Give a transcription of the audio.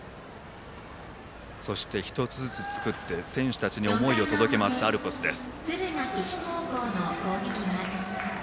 そして１つずつ作って選手たちに思いを届けるアルプスです。